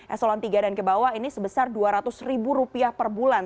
eselon tiga dan kebawah ini sebesar rp dua ratus per bulan